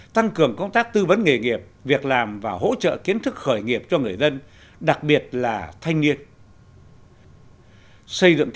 tăng cường công tác tư vấn nghề nghiệp việc làm và hỗ trợ kiến thức khởi nghiệp cho người dân đặc biệt là thanh niên